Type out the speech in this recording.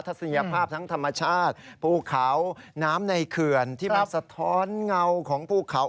ศนียภาพทั้งธรรมชาติภูเขาน้ำในเขื่อนที่มันสะท้อนเงาของภูเขา